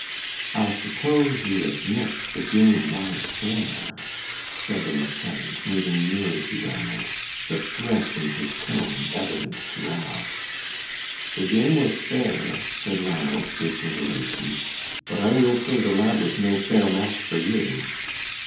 "I suppose you admit the game was fair," said the lieutenant, moving nearer to Ranald, the threat in his tone evident to all. "The game was fair," said Ranald, facing De Lacy, "but I will say the lad was no fair match for you!"